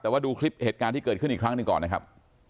แต่ว่าดูคลิปเหตุการณ์ที่เกิดขึ้นอีกครั้งหนึ่งก่อนนะครับ